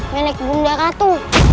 menek bunda ratu